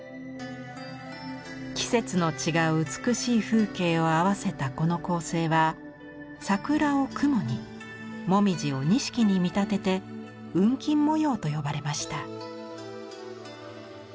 季節の違う美しい風景を合わせたこの構成は桜を雲に紅葉を錦に見立てて雲錦模様と呼ばれました。